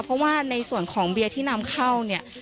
เพราะว่าในส่วนของเบียร์ที่นำเข้าเนี่ย